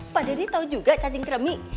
pak deddy tahu juga cacing keremik